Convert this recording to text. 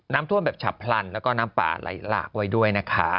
น้ำท่วมแบบฉับพลันแล้วก็น้ำป่าไหลหลากไว้ด้วยนะคะ